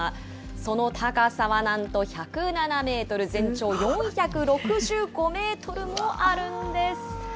その高さはなんと１０７メートル、全長４６５メートルもあるんです。